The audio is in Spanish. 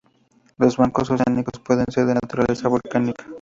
Los bancos oceánicos pueden ser de naturaleza volcánica.